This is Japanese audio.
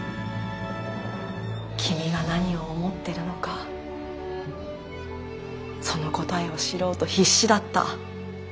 君が何を思ってるのかその答えを知ろうと必死だった。